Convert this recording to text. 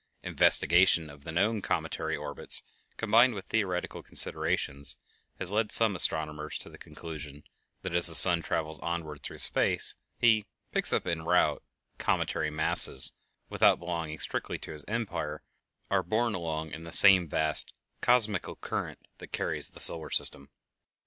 Investigation of the known cometary orbits, combined with theoretical considerations, has led some astronomers to the conclusion that as the sun travels onward through space he "picks up en route" cometary masses which, without belonging strictly to his empire, are borne along in the same vast "cosmical current" that carries the solar system.